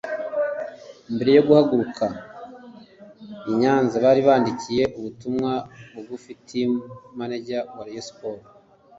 Mbere yo guhaguruka i Nyanza bari bandikiye ubutumwa bugufi Team Manager wa Rayon Sport